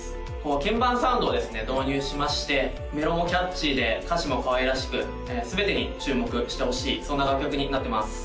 鍵盤サウンドをですね導入しましてメロもキャッチーで歌詞もかわいらしく全てに注目してほしいそんな楽曲になってます